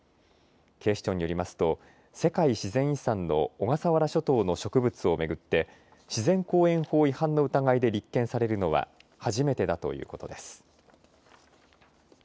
警視庁によりますと世界自然遺産の小笠原諸島の植物を巡って自然公園法違反の疑いで立件されるのは初めてだということです。